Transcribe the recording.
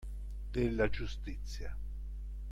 Della giustizia